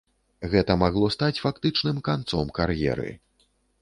Гэта магло стаць фактычным канцом кар'еры.